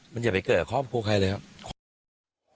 มันจะไปเกิดครอบครัวใครเลยครับ